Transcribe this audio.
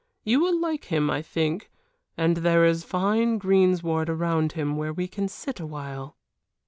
You will like him, I think, and there is fine greensward around him where we can sit awhile."